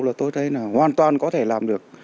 là tôi thấy hoàn toàn có thể làm được